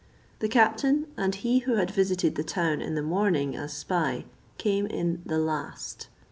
The captain and he who had visited the town in the morning as spy, came in the last.